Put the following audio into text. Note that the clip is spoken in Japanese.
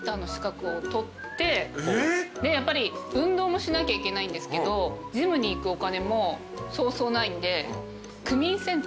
やっぱり運動もしなきゃいけないんですけどジムに行くお金もそうそうないんで。